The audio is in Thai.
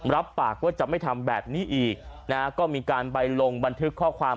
รับปากว่าจะไม่ทำแบบนี้อีกนะฮะก็มีการไปลงบันทึกข้อความ